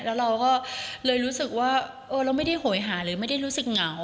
แล้วเราก็เลยรู้สึกว่าเออเราไม่ได้โหยหาหรือไม่ได้รู้สึกเหงา